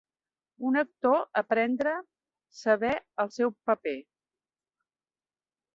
Un actor aprendre, saber, el seu paper.